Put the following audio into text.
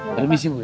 permisi bu ya